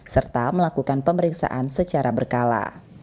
serta melakukan pemeriksaan secara berkala